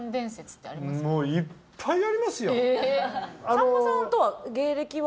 さんまさんとは芸歴は？